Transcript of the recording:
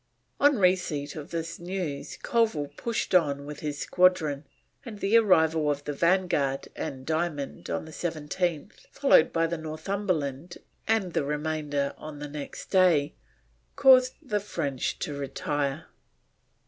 On receipt of this news Colville pushed on with his squadron, and the arrival of the Vanguard and Diamond on the 17th, followed by the Northumberland and the remainder on the next day, caused the French to retire.